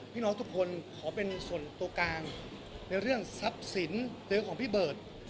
พี่น้องทุกคนขอเป็นส่วนตัวกลางในเรื่องทรัพย์สินหรือของพี่เบิร์ต